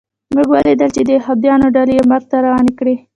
موږ ولیدل چې د یهودانو ډلې یې مرګ ته روانې کړې